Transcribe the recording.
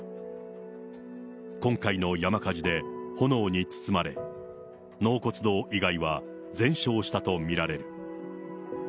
今回の山火事で炎に包まれ、納骨堂以外は全焼したと見られる。